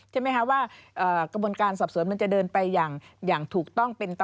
ใช่ไหมคะว่ากระบวนการสอบสวนมันจะเดินไปอย่างถูกต้อง